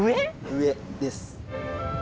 上です。